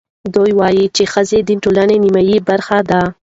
دوی ویل چې ښځې د ټولنې نیمايي برخه ده.